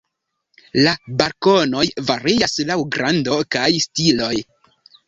La balkonoj varias laŭ grando kaj stiloj.